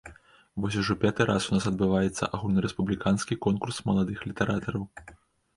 Вось ужо пяты раз у нас адбываецца агульнарэспубліканскі конкурс маладых літаратараў.